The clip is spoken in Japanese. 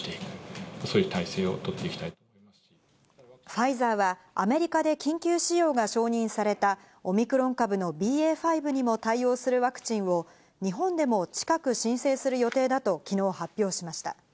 ファイザーはアメリカで緊急使用が承認されたオミクロン株のＢＡ．５にも対応するワクチンを日本でも近く申請する予定だと昨日発表しました。